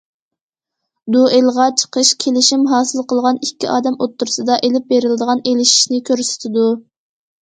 دۇئېلغا چىقىش— كېلىشىم ھاسىل قىلغان ئىككى ئادەم ئوتتۇرىسىدا ئېلىپ بېرىلىدىغان ئېلىشىشنى كۆرسىتىدۇ.